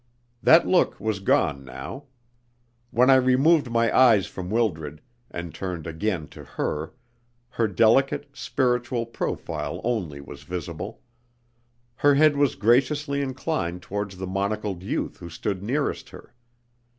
That look was gone now. When I removed my eyes from Wildred, and turned again to her, her delicate, spiritual profile only was visible. Her head was graciously inclined towards the monocled youth who stood nearest her.